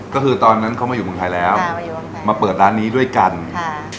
ก็คือตอนนั้นเขามาอยู่เมืองไทยแล้วค่ะมาอยู่เมืองไทยมาเปิดร้านนี้ด้วยกันค่ะ